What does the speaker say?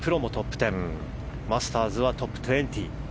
マスターズはトップ２０。